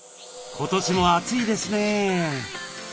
今年も暑いですね。